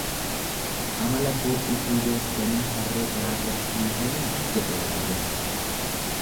Amala koo utuu beektanii harree karaarratti hiitanii jedhe waraabessi.